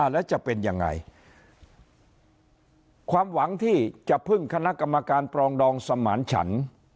แล้วจะเป็นยังไงความหวังที่จะพึ่งคณะกรรมการปรองดองสมานฉัน